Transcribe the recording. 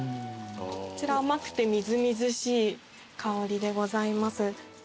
こちら甘くてみずみずしい香りでございます。